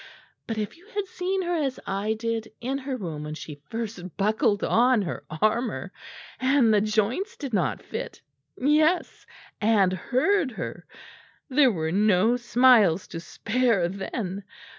But if you had seen her as I did, in her room when she first buckled on her armour, and the joints did not fit yes, and heard her! there were no smiles to spare then.